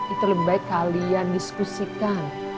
itu lebih baik kalian diskusikan